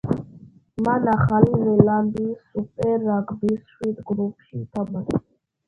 მან ახალი ზელანდიის სუპერ რაგბის შვიდ კლუბში ითამაშა.